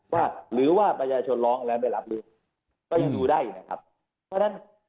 ว่าหรือว่าประชาชนร้องแล้วไม่รับหรือก็ยังดูได้อีกนะครับเพราะฉะนั้น